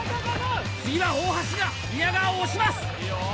次は大橋が宮川を押します！